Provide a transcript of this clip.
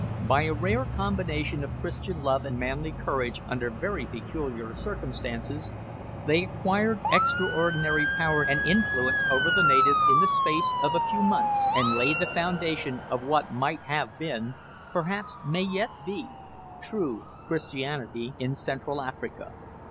By a rare combination of Christian love and manly courage under very peculiar circumstances, they acquired extraordinary power and influence over the natives in the space of a few months, and laid the foundation of what might have been perhaps may yet be true Christianity in Central Africa.